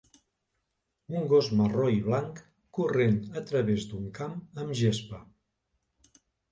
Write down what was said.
Un gos marró i blanc corrent a través d'un camp amb gespa.